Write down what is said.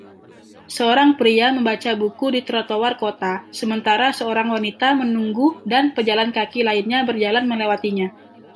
Seorang pria membaca buku di trotoar kota sementara seorang wanita menunggu dan pejalan kaki lainnya berjalan melewatinya